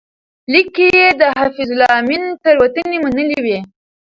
لیک کې یې د حفیظالله امین تېروتنې منلې وې.